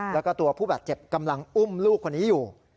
แล้วก็ตัวผู้บาดเจ็บกำลังอุ้มลูกคนนี้อยู่